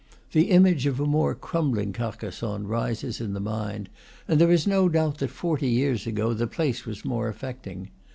The image of a more crumbling Carcassonne rises in the mind, and there is no doubt that forty years ago the place was more affecting.